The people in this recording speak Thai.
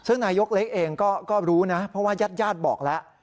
ซึ่งนายกเล็กเองก็รู้นะเพราะว่าญาติญาติบอกแล้ว